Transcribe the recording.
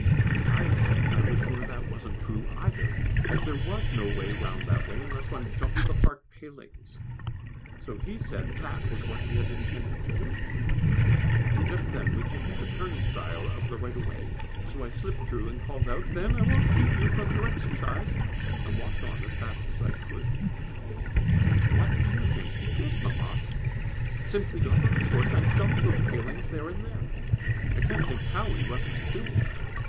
I said I was sure that wasn't true either, as there was no way round that way, unless one jumped the park palings. So he said that was what he had intended to do. Just then we came to the turnstile of the right of way, so I slipped through and called out, "Then I won't keep you from your exercise," and walked on as fast as I could. [Sidenote: Lady Farrington's Nap] What do you think he did, Mamma? Simply got on his horse, and jumped those palings there and then! I can't think how he wasn't killed.